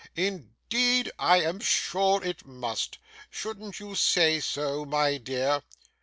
Indeed I am sure it must. Shouldn't you say so, my dear?